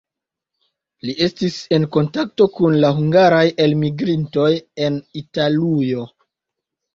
Li estis en kontakto kun la hungaraj elmigrintoj en Italujo.